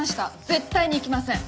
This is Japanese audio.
絶対に行きません。